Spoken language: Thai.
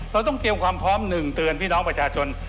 เราต้องเตรียมความพร้อมหนึ่งเตือนพี่น้องประชาชน